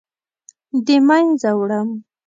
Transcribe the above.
د مینځه وړم